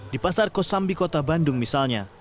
di pasar kosambi kota bandung misalnya